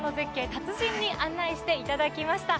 達人に案内していただきました。